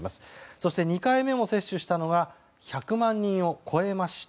そして２回目を接種したのが１００万人を超えました。